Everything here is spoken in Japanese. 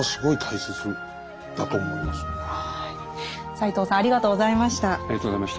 斎藤さんありがとうございました。